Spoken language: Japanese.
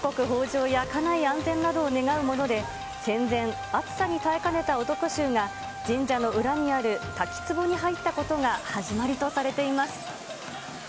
じょうや家内安全を願うもので、戦前、暑さに耐えかねた男衆が、神社の裏にある滝つぼに入ったことが始まりとされています。